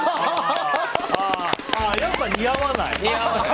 やっぱ似合わない。